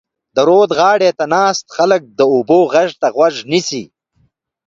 د رود غاړې ته ناست خلک د اوبو غږ ته غوږ نیسي.